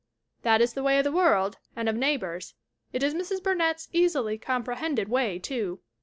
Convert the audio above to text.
That is the way of the world and of neigh bors. It is Mrs. Burnett's easily comprehended way too.